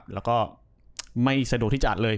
แล้วก็ไม่สะดวกที่จะอัดเลย